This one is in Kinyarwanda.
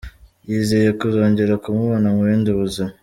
Yizeye kuzongera kumubona mu bundi buzima.